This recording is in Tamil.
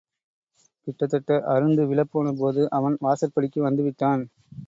கிட்டத்தட்ட அறுந்து விழப்போனபோது, அவன் வாசற்படிக்கு வந்துவிட்டான்.